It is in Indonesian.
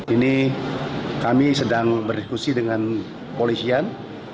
ini kami sedang berdiskusi dengan polisian